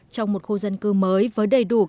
trong một khu dân cư mới với đầy đủ cơ sở